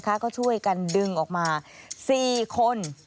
ซุกอยู่ในโปรงด้วยกันดึงออกมา๔คน